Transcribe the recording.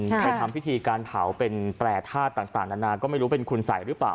ไปทำพิธีการเผาเป็นแปรทาสต่างนานาก็ไม่รู้เป็นคุณสัยหรือเปล่า